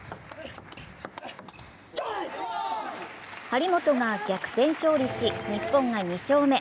張本が逆転勝利し日本が２勝目。